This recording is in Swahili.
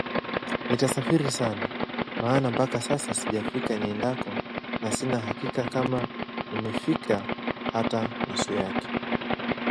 Nitasafiri sana maana mpaka sasa sijafika niendako na sina hakika kama nimefika hata nusu yake